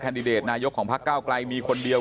ดิเดตนายกของพักเก้าไกลมีคนเดียว